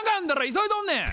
急いどんねん！